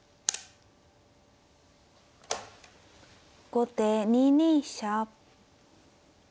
後手２二飛車。